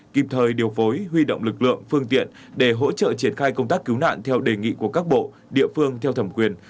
kịp thời điều phối huy động lực lượng phương tiện để hỗ trợ triển khai công tác cứu nạn theo đề nghị của các bộ địa phương theo thẩm quyền